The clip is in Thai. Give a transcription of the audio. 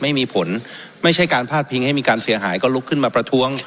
ไม่มีผลไม่ใช่การพาดพิงให้มีการเสียหายก็ลุกขึ้นมาประท้วง